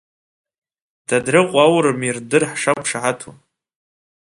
Дадрыҟәа аурым ирдыр ҳшақәшаҳаҭу!